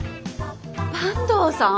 坂東さん！？